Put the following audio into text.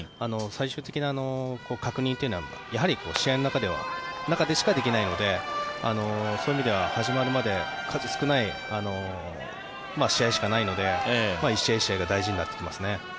最終的な確認というのは試合の中でしかできないのでそういう意味では始まるまで数少ない試合しかないので１試合１試合が大事になってきますね。